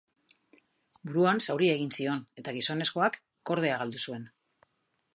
Buruan zauria egin zion eta gizonezkoak kordea galdu zuen.